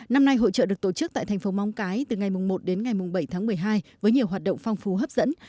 năm nay hội trợ được tổ chức tại thành phố móng cái từ ngày một đến ngày bảy tháng một mươi hai với nhiều hoạt động phong phú hấp dẫn